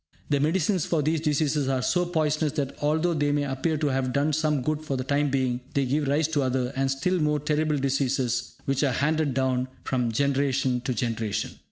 The medicines for these diseases are so poisonous that, although they may appear to have done some good for the time being, they give rise to other and still more terrible diseases which are handed down from generation to generation.